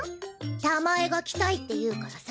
たまえが来たいって言うからさ。